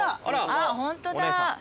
あっホントだ。